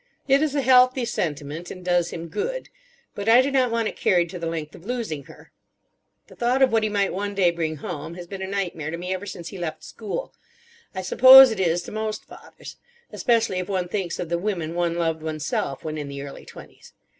It is a healthy sentiment, and does him good. But I do not want it carried to the length of losing her. The thought of what he might one day bring home has been a nightmare to me ever since he left school. I suppose it is to most fathers. Especially if one thinks of the women one loved oneself when in the early twenties.